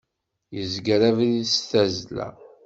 Yezger abrid s tazzla.